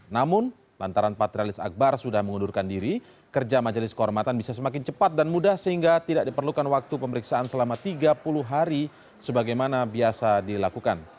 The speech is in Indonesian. namun lantaran patrialis akbar sudah mengundurkan diri kerja majelis kehormatan bisa semakin cepat dan mudah sehingga tidak diperlukan waktu pemeriksaan selama tiga puluh hari sebagaimana biasa dilakukan